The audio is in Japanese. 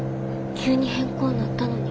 急に変更になったのに。